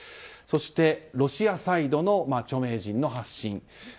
そしてロシアサイドの著名人の発信。